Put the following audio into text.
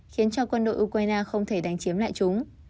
khiến cho quân đội ukraine không thể đánh chiếm lại chúng